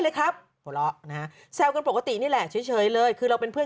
เลยครับหัวเราะนะฮะแซวกันปกตินี่แหละเฉยเลยคือเราเป็นเพื่อน